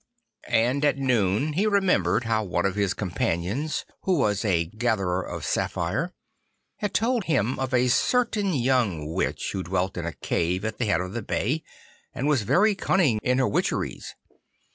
And at noon he remembered how one of his companions, who was a gatherer of samphire, had told him of a certain young Witch who dwelt in a cave at the head of the bay and was very cunning in her witcheries.